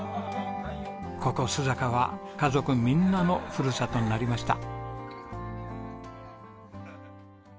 ここ須坂は家族みんなのふるさとになりました。